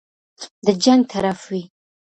د جنګ طرف وي.